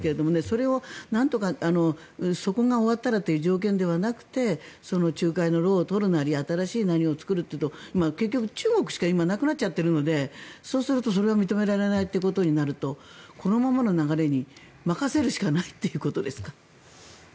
それをなんとかそこが終わったらという条件ではなくて仲介の労を取るなり新しいのを作るとなると今結局、中国しかなくなっちゃっているのでそうするとそれを認められないということになるとこのままの流れに任せるしかないということですか。